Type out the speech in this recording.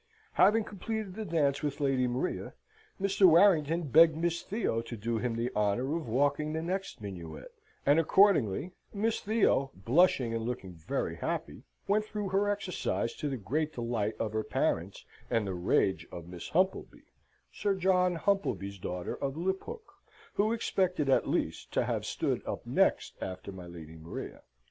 Having completed the dance with Lady Maria, Mr. Warrington begged Miss Theo to do him the honour of walking the next minuet, and accordingly Miss Theo, blushing and looking very happy, went through her exercise to the great delight of her parents and the rage of Miss Humpleby, Sir John Humpleby's daughter, of Liphook, who expected, at least, to have stood up next after my Lady Maria.